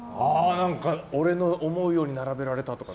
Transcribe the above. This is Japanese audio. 俺の思うように並べられたとか。